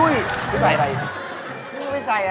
นี่ก็ไปใส่อะไรเนี่ย